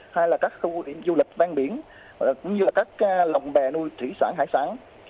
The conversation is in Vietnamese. hay là các khu điểm du lịch vang biển cũng như là các lòng bè nuôi thủy sản hải sản